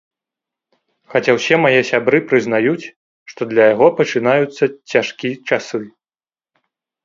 Хаця ўсе мае сябры прызнаюць, што для яго пачынаюцца цяжкі часы.